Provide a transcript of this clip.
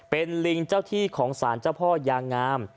เป็นลิงเจ้าที่ของสารเจ้าพ่อยางาม